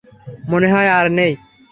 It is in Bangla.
মনেহয় আর নেই।